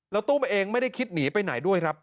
แล้วตุ้มเองไม่ได้คิดหนีไปไหนด้วยครับ